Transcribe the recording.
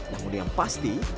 namun yang pasti